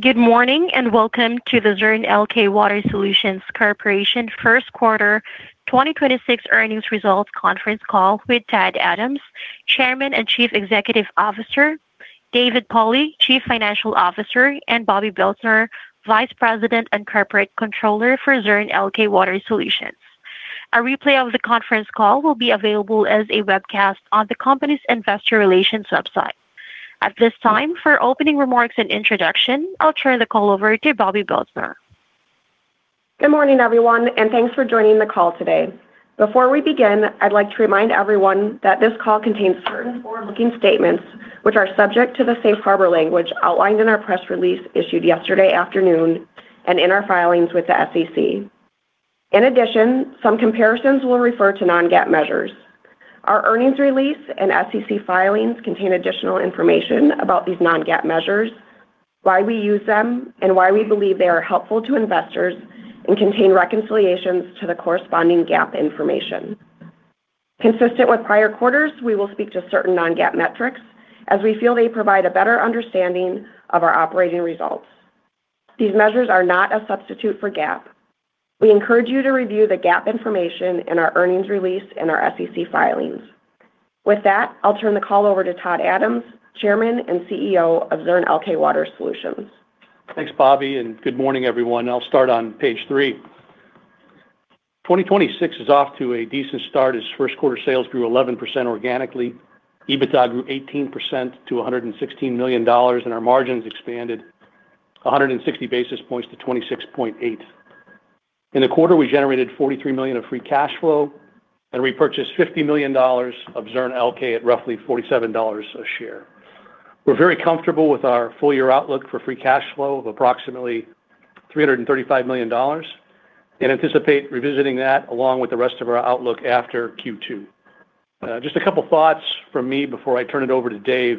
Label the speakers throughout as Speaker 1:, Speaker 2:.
Speaker 1: Good morning, and welcome to the Zurn Elkay Water Solutions Corporation First Quarter 2026 earnings results conference call with Todd Adams, Chairman and Chief Executive Officer, Dave Pauli, Chief Financial Officer, and Bobbi Belstner, Vice President and Corporate Controller for Zurn Elkay Water Solutions. A replay of the conference call will be available as a webcast on the company's investor relations website. At this time, for opening remarks and introduction, I'll turn the call over to Bobbi Belstner.
Speaker 2: Good morning, everyone, and thanks for joining the call today. Before we begin, I'd like to remind everyone that this call contains certain forward-looking statements, which are subject to the safe harbor language outlined in our press release issued yesterday afternoon and in our filings with the SEC. In addition, some comparisons will refer to non-GAAP measures. Our earnings release and SEC filings contain additional information about these non-GAAP measures, why we use them, and why we believe they are helpful to investors and contain reconciliations to the corresponding GAAP information. Consistent with prior quarters, we will speak to certain non-GAAP metrics as we feel they provide a better understanding of our operating results. These measures are not a substitute for GAAP. We encourage you to review the GAAP information in our earnings release and our SEC filings. With that, I'll turn the call over to Todd Adams, Chairman and CEO of Zurn Elkay Water Solutions.
Speaker 3: Thanks, Bobbi, and good morning, everyone. I'll start on page 3. 2026 is off to a decent start as first quarter sales grew 11% organically. EBITDA grew 18% to $116 million, and our margins expanded 160 basis points to 26.8%. In the quarter, we generated $43 million of free cash flow and repurchased $50 million of Zurn Elkay at roughly $47 a share. We're very comfortable with our full year outlook for free cash flow of approximately $335 million and anticipate revisiting that along with the rest of our outlook after Q2. Just a couple thoughts from me before I turn it over to Dave.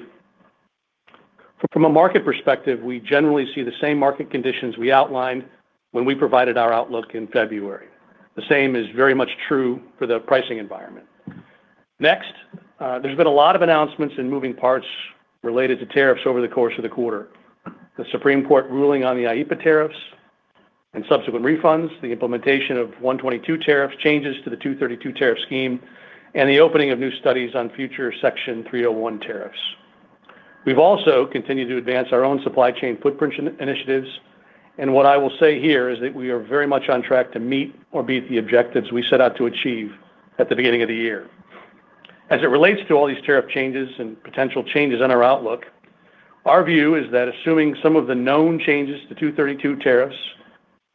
Speaker 3: From a market perspective, we generally see the same market conditions we outlined when we provided our outlook in February. The same is very much true for the pricing environment. Next, there's been a lot of announcements and moving parts related to tariffs over the course of the quarter. The Supreme Court ruling on the IEEPA tariffs and subsequent refunds, the implementation of 122 tariffs, changes to the 232 tariff scheme, and the opening of new studies on future Section 301 tariffs. We've also continued to advance our own supply chain footprint initiatives, and what I will say here is that we are very much on track to meet or beat the objectives we set out to achieve at the beginning of the year. As it relates to all these tariff changes and potential changes in our outlook, our view is that assuming some of the known changes to 232 tariffs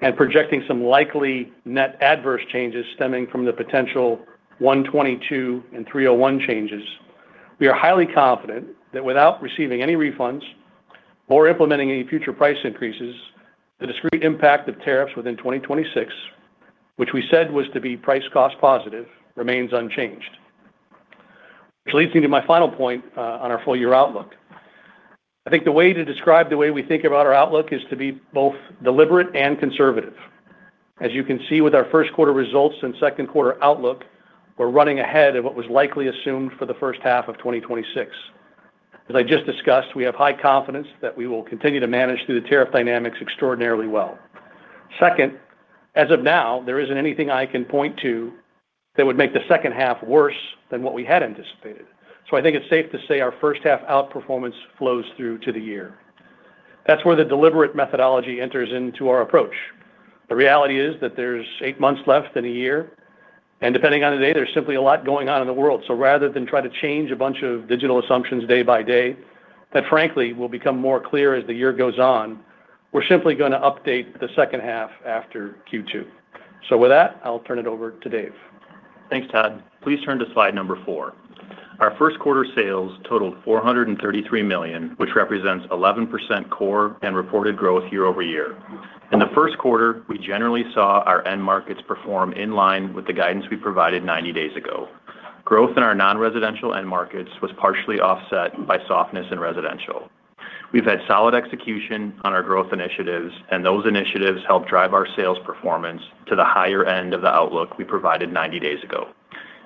Speaker 3: and projecting some likely net adverse changes stemming from the potential 122 and 301 changes, we are highly confident that without receiving any refunds or implementing any future price increases, the discrete impact of tariffs within 2026, which we said was to be price cost positive, remains unchanged. Which leads me to my final point on our full year outlook. I think the way to describe the way we think about our outlook is to be both deliberate and conservative. As you can see with our first quarter results and second quarter outlook, we're running ahead of what was likely assumed for the first half of 2026. As I just discussed, we have high confidence that we will continue to manage through the tariff dynamics extraordinarily well. Second, as of now, there isn't anything I can point to that would make the second half worse than what we had anticipated. I think it's safe to say our first half outperformance flows through to the year. That's where the deliberate methodology enters into our approach. The reality is that there's eight months left in a year, and depending on the day, there's simply a lot going on in the world. Rather than try to change a bunch of decimal assumptions day by day, that frankly will become more clear as the year goes on, we're simply going to update the second half after Q2. With that, I'll turn it over to Dave.
Speaker 4: Thanks, Todd. Please turn to slide 4. Our first quarter sales totaled $433 million, which represents 11% core and reported growth year-over-year. In the first quarter, we generally saw our end markets perform in line with the guidance we provided 90 days ago. Growth in our non-residential end markets was partially offset by softness in residential. We've had solid execution on our growth initiatives, and those initiatives help drive our sales performance to the higher end of the outlook we provided 90 days ago.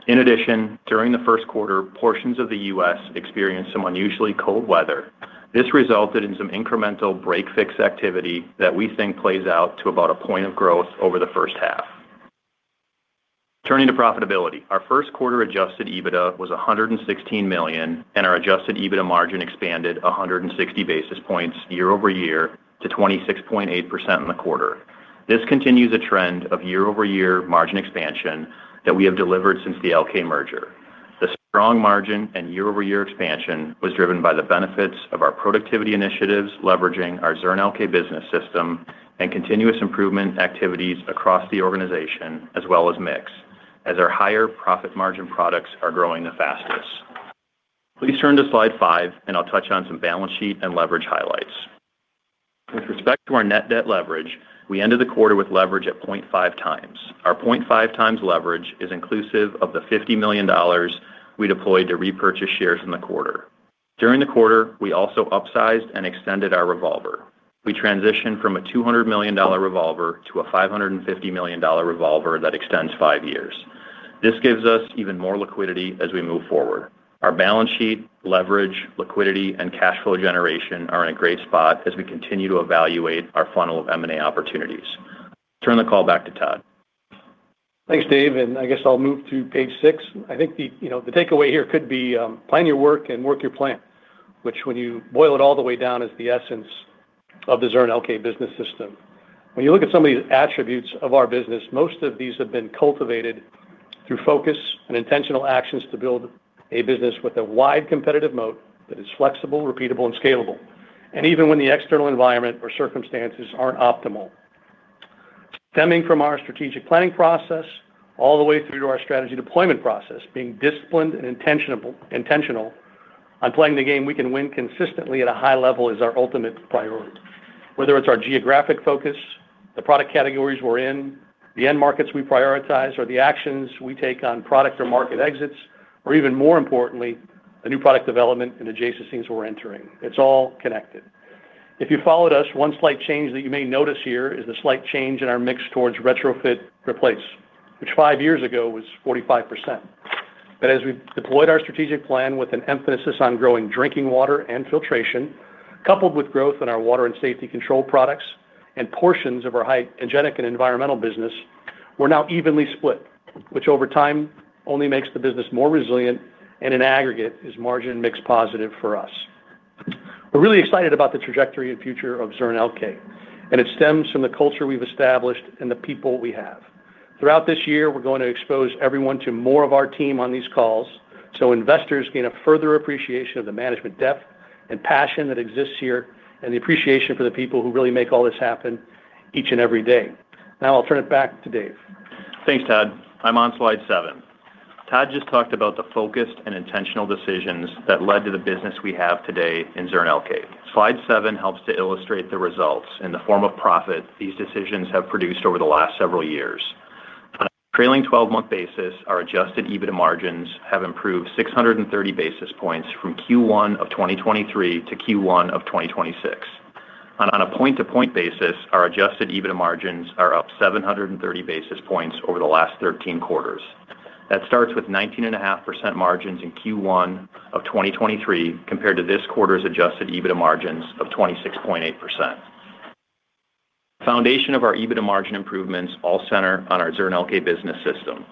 Speaker 4: In addition, during the first quarter, portions of the U.S. experienced some unusually cold weather. This resulted in some incremental break fix activity that we think plays out to about a point of growth over the first half. Turning to profitability. Our first quarter adjusted EBITDA was $116 million, and our adjusted EBITDA margin expanded 160 basis points year-over-year to 26.8% in the quarter. This continues a trend of year-over-year margin expansion that we have delivered since the Elkay merger. The strong margin and year-over-year expansion was driven by the benefits of our productivity initiatives, leveraging our Zurn Elkay Business System, and continuous improvement activities across the organization as well as mix, as our higher profit margin products are growing the fastest. Please turn to slide five, and I'll touch on some balance sheet and leverage highlights. With respect to our net debt leverage, we ended the quarter with leverage at 0.5x. Our 0.5x leverage is inclusive of the $50 million we deployed to repurchase shares in the quarter. During the quarter, we also upsized and extended our revolver. We transitioned from a $200 million revolver to a $550 million revolver that extends five years. This gives us even more liquidity as we move forward. Our balance sheet, leverage, liquidity, and cash flow generation are in a great spot as we continue to evaluate our funnel of M&A opportunities. Turn the call back to Todd.
Speaker 3: Thanks, Dave, and I guess I'll move to page 6. I think the takeaway here could be plan your work and work your plan. Which when you boil it all the way down is the essence of the Zurn Elkay Business System. When you look at some of these attributes of our business, most of these have been cultivated through focus and intentional actions to build a business with a wide competitive moat that is flexible, repeatable, and scalable, and even when the external environment or circumstances aren't optimal. Stemming from our strategic planning process all the way through to our strategy deployment process, being disciplined and intentional on playing the game we can win consistently at a high level is our ultimate priority. Whether it's our geographic focus, the product categories we're in, the end markets we prioritize, or the actions we take on product or market exits, or even more importantly, the new product development and adjacent things we're entering, it's all connected. If you followed us, one slight change that you may notice here is the slight change in our mix towards retrofit replace, which five years ago was 45%. As we've deployed our strategic plan with an emphasis on growing Drinking Water and Filtration, coupled with growth in our Water Safety and Control products and portions of our Hygienic and Environmental business, we're now evenly split. Which over time only makes the business more resilient, and in aggregate is margin mix positive for us. We're really excited about the trajectory and future of Zurn Elkay, and it stems from the culture we've established and the people we have. Throughout this year, we're going to expose everyone to more of our team on these calls, so investors gain a further appreciation of the management depth and passion that exists here, and the appreciation for the people who really make all this happen each and every day. Now I'll turn it back to Dave.
Speaker 4: Thanks, Todd. I'm on slide seven. Todd just talked about the focused and intentional decisions that led to the business we have today in Zurn Elkay. Slide seven helps to illustrate the results in the form of profit these decisions have produced over the last several years. On a trailing 12-month basis, our adjusted EBITDA margins have improved 630 basis points from Q1 of 2023 to Q1 of 2026. On a point-to-point basis, our adjusted EBITDA margins are up 730 basis points over the last 13 quarters. That starts with 19.5% margins in Q1 of 2023, compared to this quarter's adjusted EBITDA margins of 26.8%. The foundation of our EBITDA margin improvements all center on our Zurn Elkay Business System.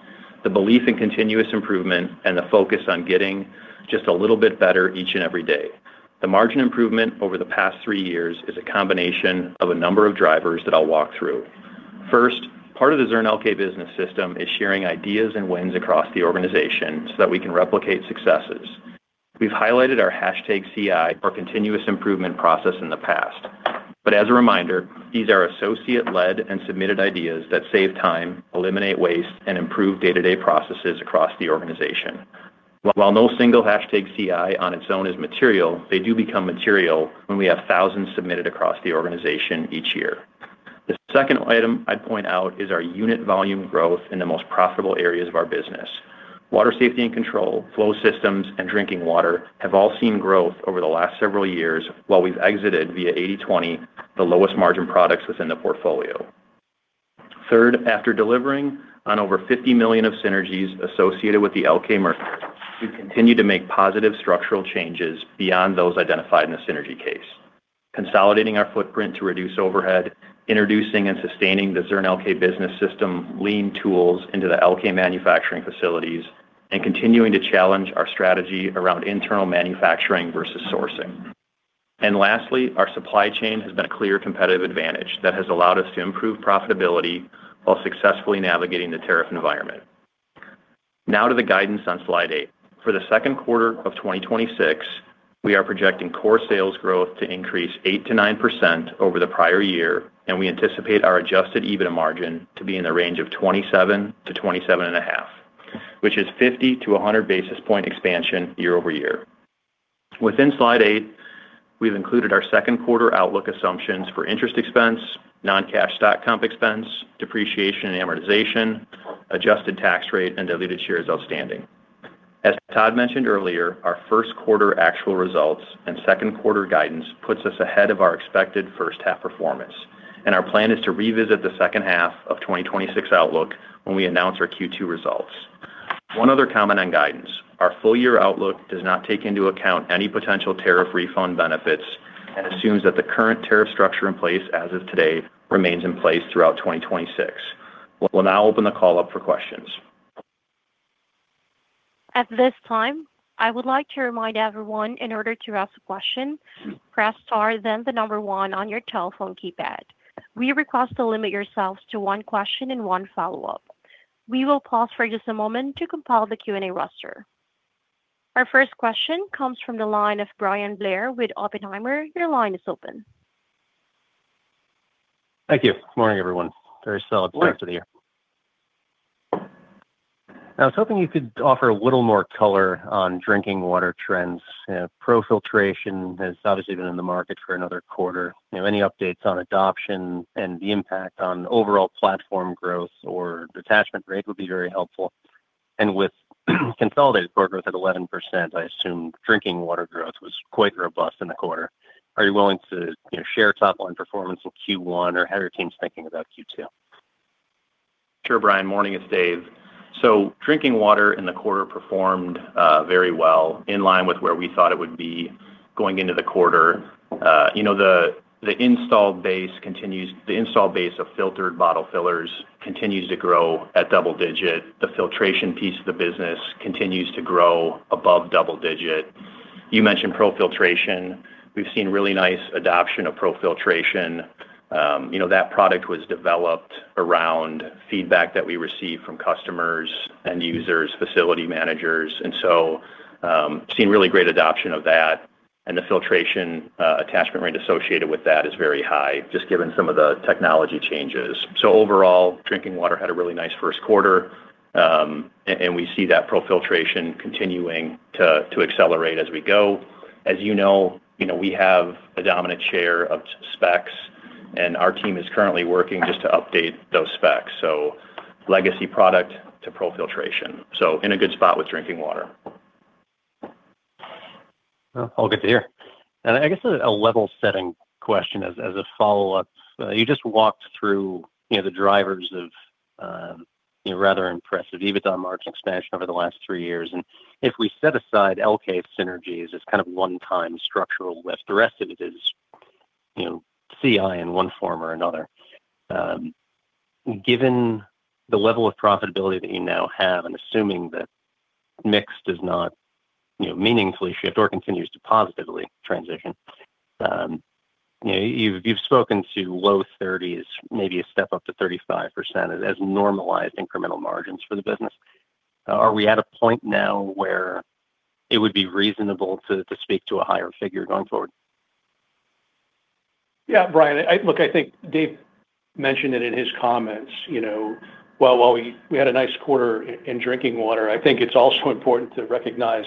Speaker 4: The belief in continuous improvement and the focus on getting just a little bit better each and every day. The margin improvement over the past three years is a combination of a number of drivers that I'll walk through. First, part of the Zurn Elkay Business System is sharing ideas and wins across the organization so that we can replicate successes. We've highlighted our #CI, our Continuous Improvement process, in the past. As a reminder, these are associate-led and submitted ideas that save time, eliminate waste, and improve day-to-day processes across the organization. While no single #CI on its own is material, they do become material when we have thousands submitted across the organization each year. The second item I'd point out is our unit volume growth in the most profitable areas of our business. Water Safety & Control, Flow Systems, and Drinking Water have all seen growth over the last several years, while we've exited via 80-20, the lowest margin products within the portfolio. Third, after delivering on over $50 million of synergies associated with the Elkay merger, we continue to make positive structural changes beyond those identified in the synergy case. Consolidating our footprint to reduce overhead, introducing and sustaining the Zurn Elkay Business System Lean tools into the Elkay manufacturing facilities, and continuing to challenge our strategy around internal manufacturing versus sourcing. Lastly, our supply chain has been a clear competitive advantage that has allowed us to improve profitability while successfully navigating the tariff environment. Now to the guidance on slide eight. For the second quarter of 2026, we are projecting core sales growth to increase 8%-9% over the prior year, and we anticipate our adjusted EBITDA margin to be in the range of 27%-27.5%, which is 50-100 basis points expansion year-over-year. Within slide eight, we've included our second quarter outlook assumptions for interest expense, non-cash stock comp expense, depreciation and amortization, adjusted tax rate, and diluted shares outstanding. As Todd mentioned earlier, our first quarter actual results and second quarter guidance puts us ahead of our expected first half performance, and our plan is to revisit the second half of 2026 outlook when we announce our Q2 results. One other comment on guidance. Our full year outlook does not take into account any potential tariff refund benefits and assumes that the current tariff structure in place as of today remains in place throughout 2026. We'll now open the call up for questions.
Speaker 1: At this time, I would like to remind everyone, in order to ask a question, press star, then the number one on your telephone keypad. We request to limit yourselves to one question and one follow-up. We will pause for just a moment to compile the Q&A roster. Our first question comes from the line of Bryan Blair with Oppenheimer. Your line is open.
Speaker 5: Thank you. Morning, everyone. Very solid start to the year.
Speaker 3: Morning.
Speaker 5: I was hoping you could offer a little more color on Drinking Water trends. Pro Filtration has obviously been in the market for another quarter. Any updates on adoption and the impact on overall platform growth or detachment rate would be very helpful. With consolidated core growth at 11%, I assume drinking water growth was quite robust in the quarter. Are you willing to share top-line performance in Q1, or how are your teams thinking about Q2?
Speaker 4: Sure, Bryan. Morning. It's Dave. Drinking Water in the quarter performed very well, in line with where we thought it would be going into the quarter. The installed base of filtered bottle fillers continues to grow at double digit. The filtration piece of the business continues to grow above double digit. You mentioned Pro Filtration. We've seen really nice adoption of Pro Filtration. That product was developed around feedback that we received from customers and users, facility managers, and we've seen really great adoption of that, and the filtration attachment rate associated with that is very high, just given some of the technology changes. Overall, Drinking Water had a really nice first quarter, and we see that Pro Filtration continuing to accelerate as we go. As you know, we have a dominant share of specs, and our team is currently working just to update those specs. Legacy product to Pro Filtration. In a good spot with Drinking Water.
Speaker 5: All good to hear. I guess a level-setting question as a follow-up. You just walked through the drivers of rather impressive EBITDA margin expansion over the last 3 years, and if we set aside Elkay synergies as kind of one time structural lift, the rest of it is CI in one form or another. Given the level of profitability that you now have and assuming that mix does not meaningfully shift or continues to positively transition. You've spoken to low 30s, maybe a step up to 35% as normalized incremental margins for the business. Are we at a point now where it would be reasonable to speak to a higher figure going forward?
Speaker 3: Yeah, Bryan, look, I think Dave mentioned it in his comments. While we had a nice quarter in Drinking Water, I think it's also important to recognize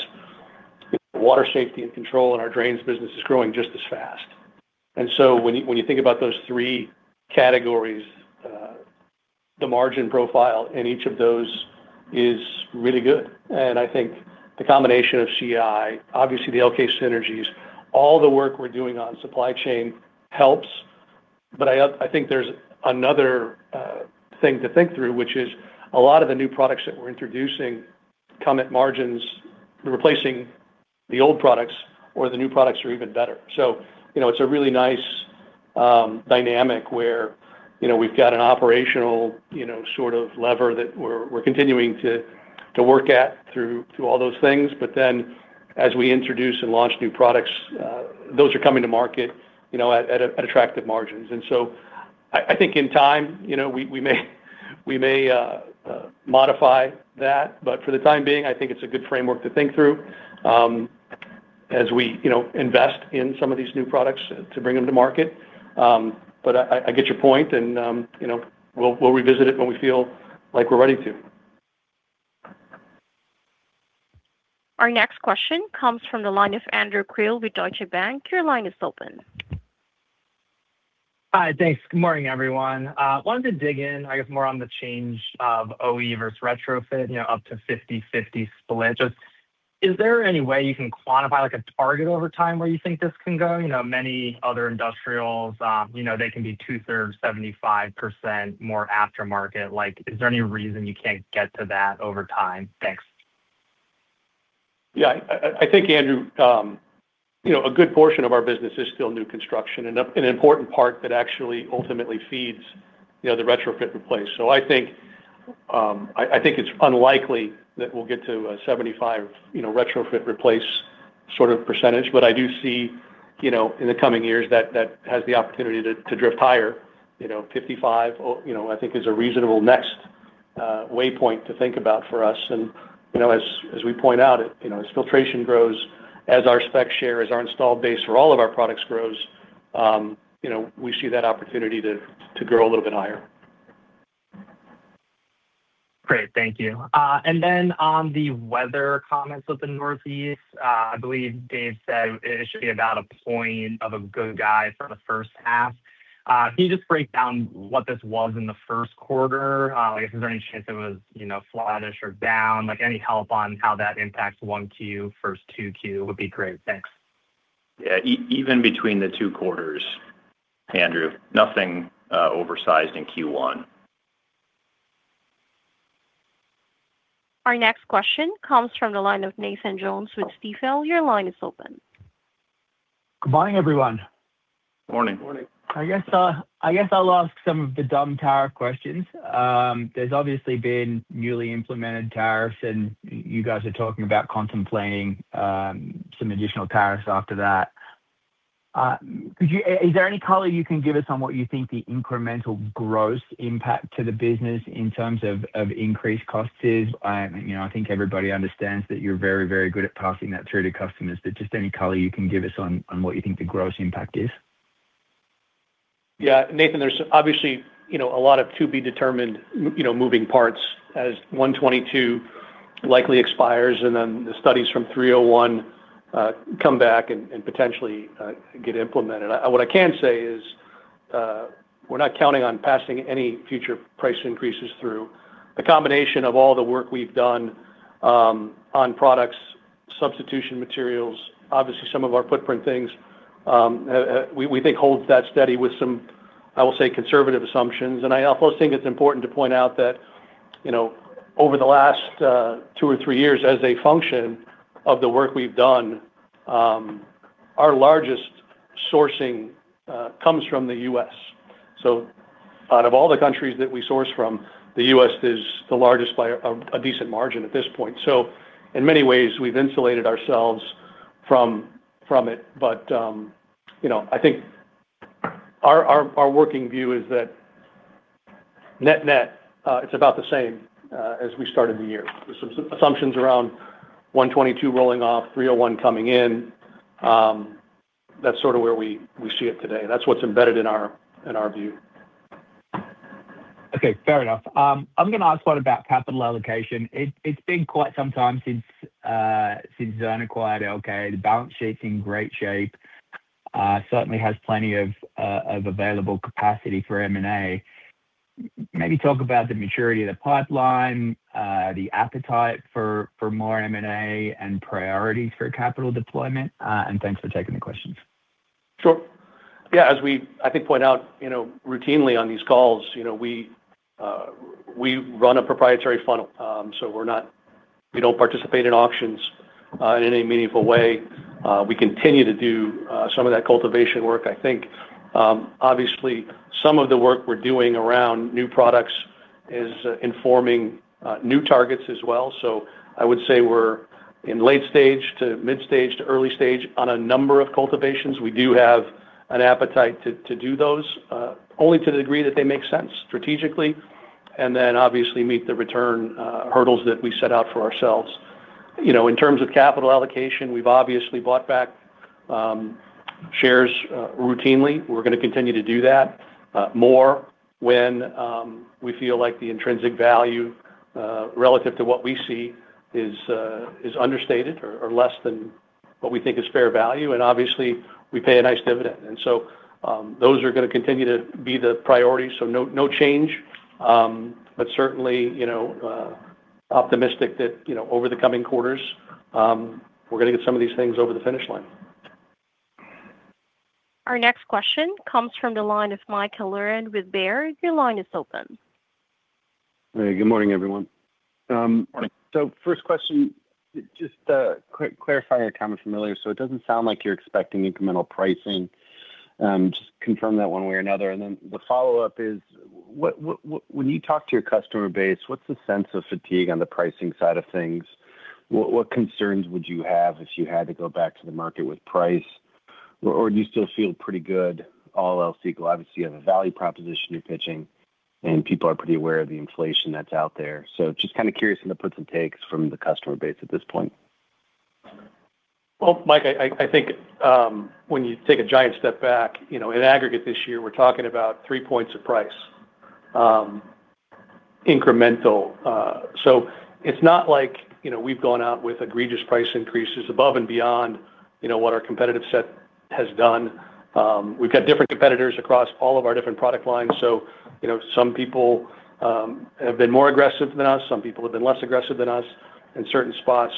Speaker 3: Water Safety & Control in our drains business is growing just as fast. When you think about those three categories, the margin profile in each of those is really good. I think the combination of CI, obviously the Elkay synergies, all the work we're doing on supply chain helps. I think there's another thing to think through, which is a lot of the new products that we're introducing come at margins replacing the old products or the new products are even better. It's a really nice dynamic where we've got an operational sort of lever that we're continuing to work at through all those things. As we introduce and launch new products, those are coming to market at attractive margins. I think in time, we may modify that, but for the time being, I think it's a good framework to think through as we invest in some of these new products to bring them to market. I get your point and we'll revisit it when we feel like we're ready to.
Speaker 1: Our next question comes from the line of Andrew Krill with Deutsche Bank. Your line is open.
Speaker 6: Hi. Thanks. Good morning, everyone. Wanted to dig in, I guess, more on the change of OE versus retrofit up to 50/50 split. Just, is there any way you can quantify, like, a target over time where you think this can go? Many other industrials they can be two-thirds, 75% more aftermarket. Is there any reason you can't get to that over time? Thanks.
Speaker 3: Yeah, I think, Andrew, a good portion of our business is still new construction, an important part that actually ultimately feeds the retrofit replace. I think it's unlikely that we'll get to a 75% retrofit replace sort of percentage. I do see in the coming years that has the opportunity to drift higher. 55%, I think, is a reasonable next waypoint to think about for us. As we point out, as filtration grows, as our spec share, as our installed base for all of our products grows, we see that opportunity to grow a little bit higher.
Speaker 6: Great. Thank you. Then on the weather comments with the Northeast, I believe Dave said it should be about a point of headwind for the first half. Can you just break down what this was in the first quarter? Is there any chance it was flattish or down? Any help on how that impacts 1Q, first 2Q would be great. Thanks.
Speaker 4: Yeah. Even between the two quarters, Andrew, nothing oversized in Q1.
Speaker 1: Our next question comes from the line of Nathan Jones with Stifel. Your line is open.
Speaker 7: Good morning, everyone.
Speaker 4: Morning.
Speaker 3: Morning.
Speaker 7: I guess I'll ask some of the dumb tariff questions. There's obviously been newly implemented tariffs, and you guys are talking about contemplating some additional tariffs after that. Is there any color you can give us on what you think the incremental gross impact to the business in terms of increased costs is? I think everybody understands that you're very good at passing that through to customers, but just any color you can give us on what you think the gross impact is?
Speaker 3: Yeah, Nathan, there's obviously a lot of to-be-determined moving parts as 122 likely expires and then the studies from 301 come back and potentially get implemented. What I can say is, we're not counting on passing any future price increases through. A combination of all the work we've done on products, substitution materials, obviously some of our footprint things, we think holds that steady with some, I will say, conservative assumptions. I also think it's important to point out that over the last two or three years, as a function of the work we've done, our largest sourcing comes from the U.S. So out of all the countries that we source from, the U.S. is the largest by a decent margin at this point. In many ways, we've insulated ourselves from it. I think our working view is that net-net, it's about the same as we started the year with some assumptions around 122 rolling off, 301 coming in. That's sort of where we see it today. That's what's embedded in our view.
Speaker 7: Okay. Fair enough. I'm going to ask one about capital allocation. It's been quite some time since Zurn acquired Elkay. The balance sheet's in great shape. Certainly has plenty of available capacity for M&A. Maybe talk about the maturity of the pipeline, the appetite for more M&A, and priorities for capital deployment. Thanks for taking the questions.
Speaker 3: Sure. Yeah, as we, I think, point out routinely on these calls, we run a proprietary funnel. We don't participate in auctions in any meaningful way. We continue to do some of that cultivation work. I think, obviously, some of the work we're doing around new products is informing new targets as well. I would say we're in late stage to mid-stage to early stage on a number of cultivations. We do have an appetite to do those, only to the degree that they make sense strategically, and then obviously meet the return hurdles that we set out for ourselves. In terms of capital allocation, we've obviously bought back shares routinely. We're going to continue to do that more when we feel like the intrinsic value, relative to what we see, is understated or less than what we think is fair value. Obviously, we pay a nice dividend. Those are going to continue to be the priority. No change. Certainly, optimistic that over the coming quarters, we're going to get some of these things over the finish line.
Speaker 1: Our next question comes from the line of Mike Halloran with Baird. Your line is open.
Speaker 8: Good morning, everyone.
Speaker 3: Morning.
Speaker 8: First question, just to clarify your comments from earlier. It doesn't sound like you're expecting incremental pricing. Just confirm that one way or another. Then the follow-up is, when you talk to your customer base, what's the sense of fatigue on the pricing side of things? What concerns would you have if you had to go back to the market with price? Or do you still feel pretty good all else equal? Obviously, you have a value proposition you're pitching, and people are pretty aware of the inflation that's out there. Just kind of curious on the puts and takes from the customer base at this point.
Speaker 3: Well, Mike, I think when you take a giant step back, in aggregate this year, we're talking about 3 points of price incremental. It's not like we've gone out with egregious price increases above and beyond what our competitive set has done. We've got different competitors across all of our different product lines. Some people have been more aggressive than us, some people have been less aggressive than us in certain spots.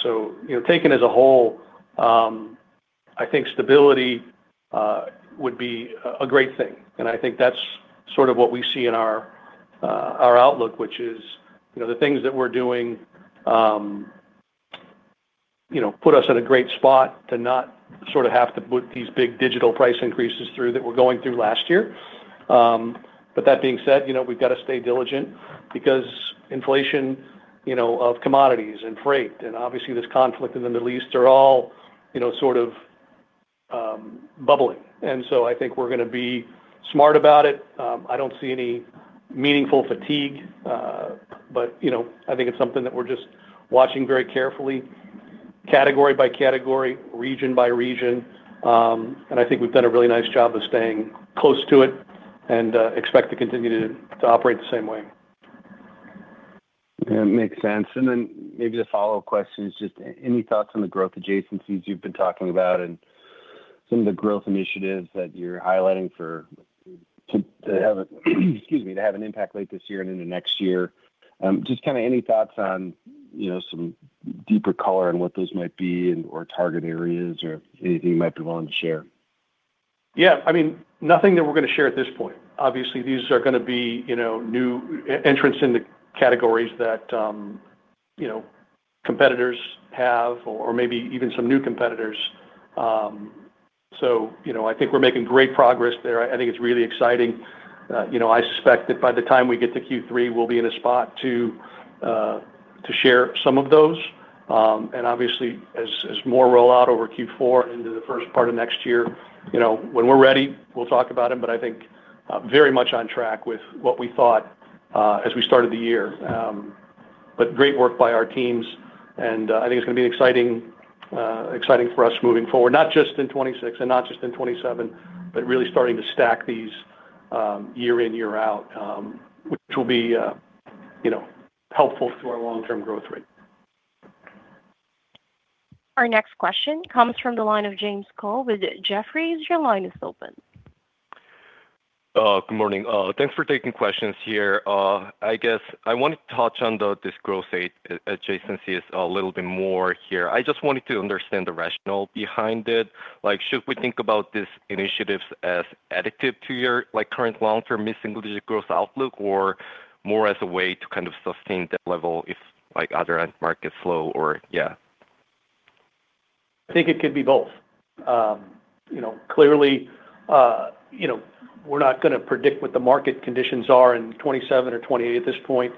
Speaker 3: Taken as a whole, I think stability would be a great thing. I think that's sort of what we see in our outlook, which is the things that we're doing put us in a great spot to not sort of have to put these big digital price increases through that were going through last year. That being said, we've got to stay diligent because inflation of commodities and freight and obviously this conflict in the Middle East are all sort of bubbling. I think we're going to be smart about it. I don't see any meaningful fatigue. I think it's something that we're just watching very carefully category-by-category, region-by-region. I think we've done a really nice job of staying close to it and expect to continue to operate the same way.
Speaker 8: Yeah, makes sense. Maybe the follow-up question is just any thoughts on the growth adjacencies you've been talking about and some of the growth initiatives that you're highlighting to have an impact late this year and into next year? Just kind of any thoughts on some deeper color on what those might be or target areas or anything you might be willing to share?
Speaker 3: Yeah. Nothing that we're going to share at this point. Obviously, these are going to be new entrants in the categories that competitors have or maybe even some new competitors. I think we're making great progress there. I think it's really exciting. I suspect that by the time we get to Q3, we'll be in a spot to share some of those. Obviously, as more roll out over Q4 into the first part of next year, when we're ready, we'll talk about them. I think very much on track with what we thought as we started the year. Great work by our teams, and I think it's going to be exciting for us moving forward. Not just in 2026 and not just in 2027, but really starting to stack these year in, year out, which will be helpful to our long-term growth rate.
Speaker 1: Our next question comes from the line of James Cole with Jefferies. Your line is open.
Speaker 9: Good morning. Thanks for taking questions here. I guess I want to touch on this growth rate adjacency a little bit more here. I just wanted to understand the rationale behind it. Should we think about these initiatives as additive to your current long-term mid-single-digit growth outlook, or more as a way to kind of sustain that level if other end markets slow?
Speaker 3: I think it could be both. Clearly, we're not going to predict what the market conditions are in 2027 or 2028 at this point.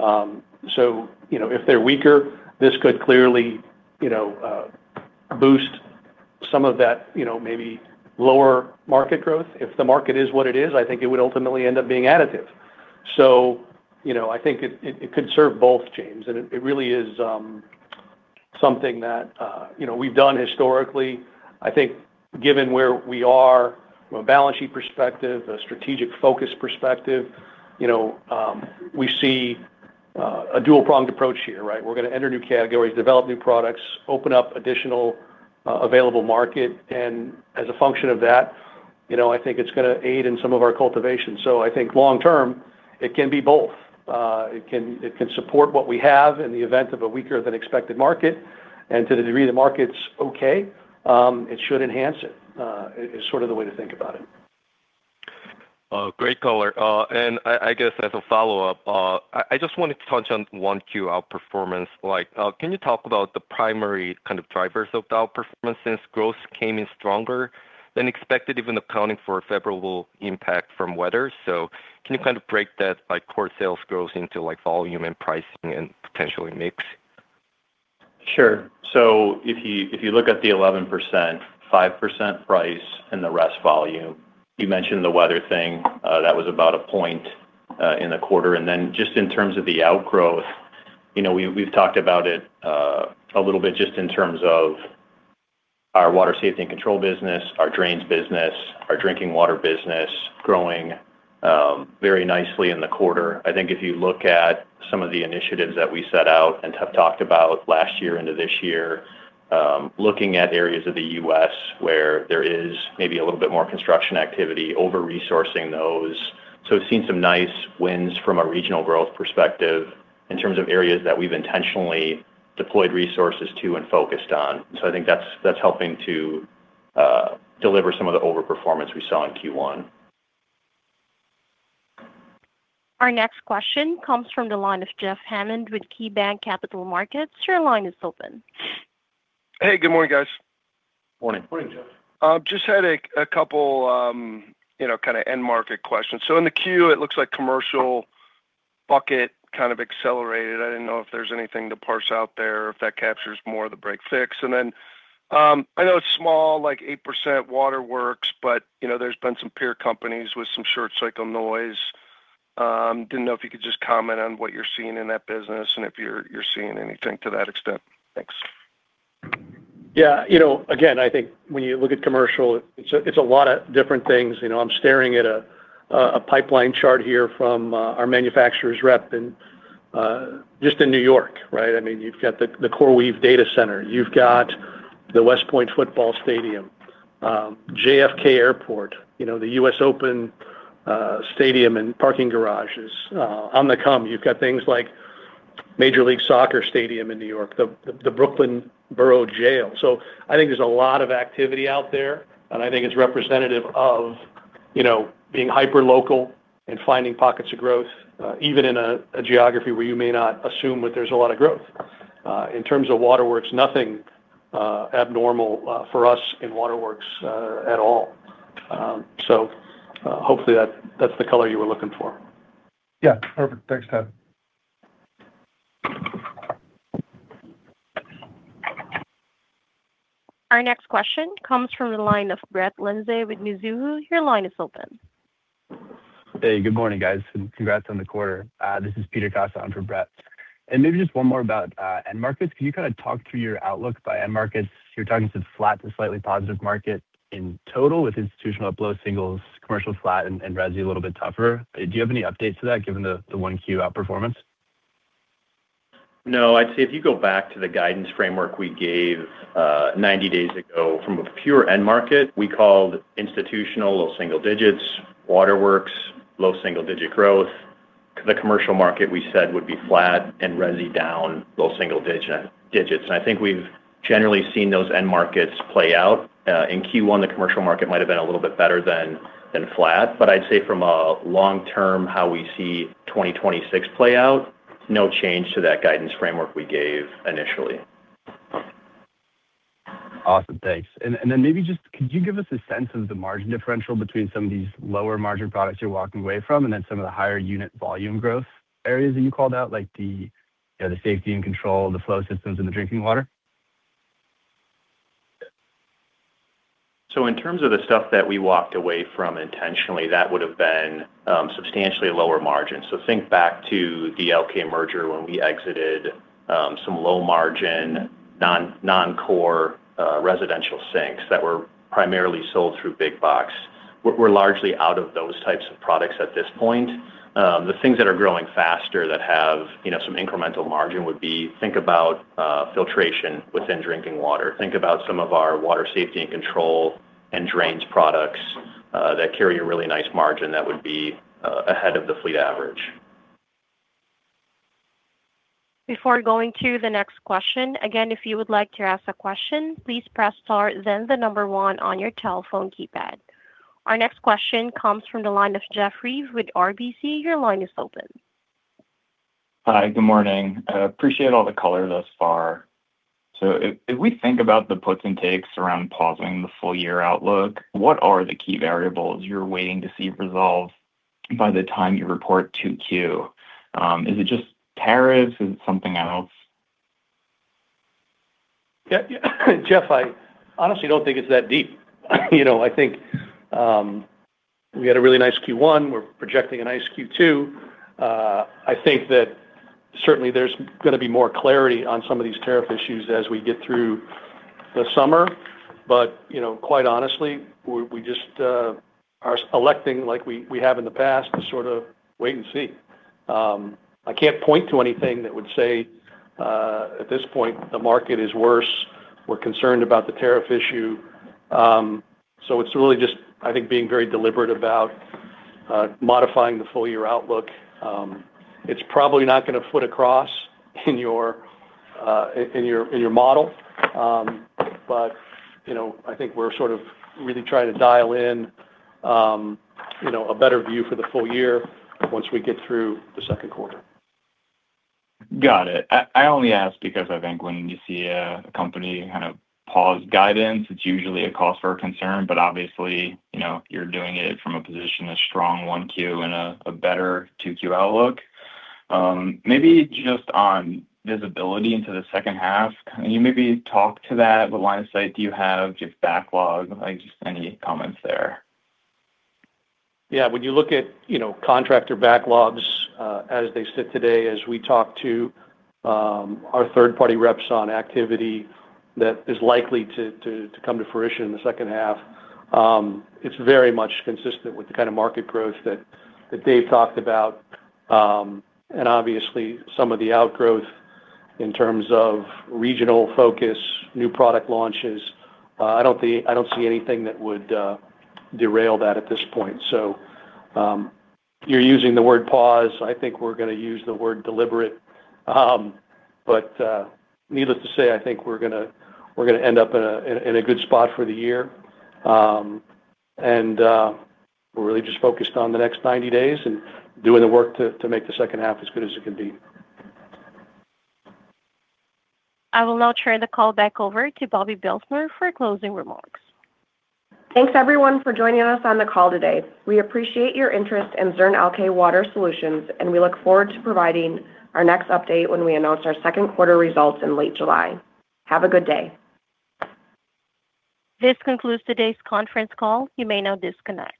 Speaker 3: If they're weaker, this could clearly boost some of that maybe lower market growth. If the market is what it is, I think it would ultimately end up being additive. I think it could serve both, James. It really is something that we've done historically. I think given where we are from a balance sheet perspective, a strategic focus perspective, we see a dual-pronged approach here, right? We're going to enter new categories, develop new products, open up additional addressable market, and as a function of that, I think it's going to aid in some of our cultivation. I think long term, it can be both. It can support what we have in the event of a weaker than expected market, and to the degree the market's okay, it should enhance it. It's sort of the way to think about it.
Speaker 9: Great color. I guess as a follow-up, I just wanted to touch on 1Q outperformance. Can you talk about the primary kind of drivers of the outperformance, since growth came in stronger than expected, even accounting for a favorable impact from weather? Can you kind of break that core sales growth into volume and pricing and potentially mix?
Speaker 4: Sure. If you look at the 11%, 5% price and the rest volume, you mentioned the weather thing, that was about a point in the quarter. Just in terms of the outgrowth, we've talked about it a little bit just in terms of our Water Safety & Control business, our drains business, our drinking water business growing very nicely in the quarter. I think if you look at some of the initiatives that we set out and have talked about last year into this year, looking at areas of the U.S. where there is maybe a little bit more construction activity, over-resourcing those. We've seen some nice wins from a regional growth perspective in terms of areas that we've intentionally deployed resources to and focused on. I think that's helping to deliver some of the over-performance we saw in Q1.
Speaker 1: Our next question comes from the line of Jeff Hammond with KeyBanc Capital Markets. Your line is open.
Speaker 10: Hey, good morning, guys.
Speaker 4: Morning.
Speaker 3: Morning, Jeff.
Speaker 10: Just had a couple kind of end market questions. In the Q, it looks like commercial bucket kind of accelerated. I didn't know if there's anything to parse out there if that captures more of the break fix. I know it's small, like 8% water works, but there's been some peer companies with some short cycle noise. Didn't know if you could just comment on what you're seeing in that business and if you're seeing anything to that extent. Thanks.
Speaker 3: Yeah. Again, I think when you look at commercial, it's a lot of different things. I'm staring at a pipeline chart here from our manufacturer's rep and just in New York, right? I mean, you've got the CoreWeave data center. You've got the West Point Football Stadium. JFK Airport. The U.S. Open Stadium and parking garages on the come. You've got things like Major League Soccer Stadium in New York. The Brooklyn Borough Jail. So I think there's a lot of activity out there, and I think it's representative of being hyperlocal and finding pockets of growth, even in a geography where you may not assume that there's a lot of growth. In terms of waterworks, nothing abnormal for us in waterworks at all. So hopefully, that's the color you were looking for.
Speaker 10: Yeah. Perfect. Thanks, Todd.
Speaker 1: Our next question comes from the line of Brett Linzey with Mizuho. Your line is open.
Speaker 11: Hey, good morning, guys, and congrats on the quarter. This is Peter Costa in for Brett. Maybe just one more about end markets. Can you kind of talk through your outlook by end markets? You're talking to flat to slightly positive market in total with institutional low single digits, commercial flat and resi a little bit tougher. Do you have any updates to that given the 1Q outperformance?
Speaker 4: No. I'd say if you go back to the guidance framework we gave 90 days ago from a pure end market, we called institutional low single-digit, waterworks, low single-digit growth. The commercial market we said would be flat and resi down low single-digits. I think we've generally seen those end markets play out. In Q1, the commercial market might've been a little bit better than flat, but I'd say from a long-term, how we see 2026 play out, no change to that guidance framework we gave initially.
Speaker 11: Awesome. Thanks. Maybe just could you give us a sense of the margin differential between some of these lower margin products you're walking away from and then some of the higher unit volume growth areas that you called out, like the Water Safety & Control, the Flow Systems, and the Drinking Water?
Speaker 4: In terms of the stuff that we walked away from intentionally, that would've been substantially lower margin. Think back to the Elkay merger when we exited some low margin, non-core residential sinks that were primarily sold through big box.
Speaker 3: We're largely out of those types of products at this point. The things that are growing faster that have some incremental margin would be, think about filtration within Drinking Water. Think about some of our Water Safety & Control and drains products that carry a really nice margin that would be ahead of the fleet average.
Speaker 1: Before going to the next question, again, if you would like to ask a question, please press star then the number one on your telephone keypad. Our next question comes from the line of Jeff Reive with RBC. Your line is open.
Speaker 12: Hi, good morning. I appreciate all the color thus far. If we think about the puts and takes around pausing the full year outlook, what are the key variables you're waiting to see resolved by the time you report Q2? Is it just tariffs? Is it something else?
Speaker 3: Yeah, Jeff, I honestly don't think it's that deep. I think we had a really nice Q1. We're projecting a nice Q2. I think that certainly there's going to be more clarity on some of these tariff issues as we get through the summer. Quite honestly, we just are electing, like we have in the past, to sort of wait and see. I can't point to anything that would say, at this point the market is worse, we're concerned about the tariff issue. It's really just, I think, being very deliberate about modifying the full year outlook. It's probably not going to foot across in your model. I think we're sort of really trying to dial in a better view for the full year once we get through the second quarter.
Speaker 12: Got it. I only ask because I think when you see a company kind of pause guidance, it's usually a cause for concern, but obviously, you're doing it from a position of strong Q1 and a better Q2 outlook. Maybe just on visibility into the second half. Can you maybe talk to that? What line of sight do you have? Just backlog, just any comments there.
Speaker 3: Yeah. When you look at contractor backlogs as they sit today, as we talk to our third party reps on activity that is likely to come to fruition in the second half, it's very much consistent with the kind of market growth that Dave talked about. Obviously some of the outgrowth in terms of regional focus, new product launches, I don't see anything that would derail that at this point. You're using the word pause, I think we're going to use the word deliberate. Needless to say, I think we're going to end up in a good spot for the year. We're really just focused on the next 90 days and doing the work to make the second half as good as it can be.
Speaker 1: I will now turn the call back over to Bobbi Belstner for closing remarks.
Speaker 2: Thanks everyone for joining us on the call today. We appreciate your interest in Zurn Elkay Water Solutions, and we look forward to providing our next update when we announce our second quarter results in late July. Have a good day.
Speaker 1: This concludes today's conference call. You may now disconnect.